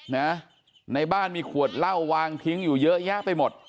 นะในบ้านมีขวดเหล้าวางทิ้งอยู่เยอะแยะไปหมด